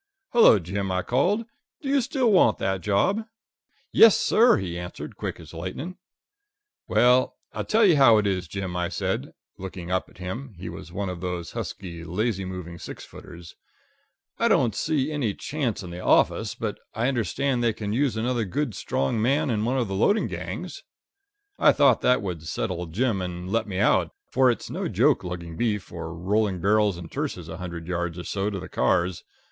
"Hello, Jim," I called; "do you still want that job?" "Yes, sir," he answered, quick as lightning. "Well, I tell you how it is, Jim," I said, looking up at him he was one of those husky, lazy moving six footers "I don't see any chance in the office, but I understand they can use another good, strong man in one of the loading gangs." I thought that would settle Jim and let me out, for it's no joke lugging beef, or rolling barrels and tierces a hundred yards or so to the cars.